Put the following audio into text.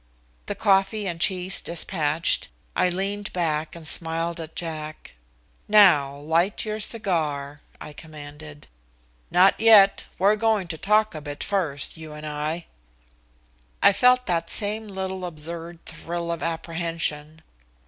The coffee and cheese dispatched, I leaned back and smiled at Jack. "Now light your cigar," I commanded. "Not yet. We're going to talk a bit first, you and I." I felt that same little absurd thrill of apprehension.